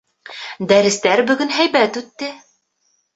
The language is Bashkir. Дәрестәр бөгөн һәйбәт үтте.